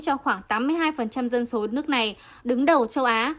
cho khoảng tám mươi hai dân số nước này đứng đầu châu á